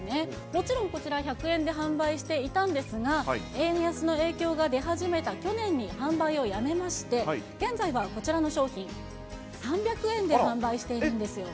もちろんこちら１００円で販売していたんですが、円安の影響が出始めた去年に販売をやめまして、現在はこちらの商品、３００円で販売しているんですよ。